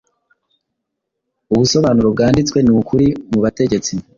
Ubusobanuro bwanditse ni ukuri mubategetsi